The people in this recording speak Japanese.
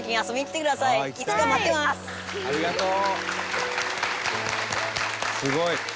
「ありがとう！」